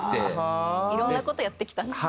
いろんな事やってきたんですね。